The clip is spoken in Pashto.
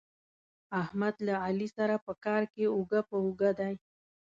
احمد له علي سره په کار کې اوږه په اوږه دی.